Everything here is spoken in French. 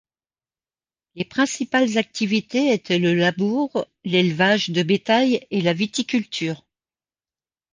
Les principales activités étaient le labour, l'élevage de bétail et la viticulture.